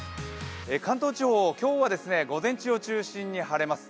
関東地方今日は午前中を中心に晴れます。